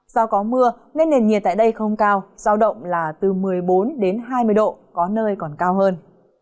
do có mưa nên nền nhiệt tại đây không cao giao động là từ một mươi bốn đến hai mươi độ có nơi còn cao hơn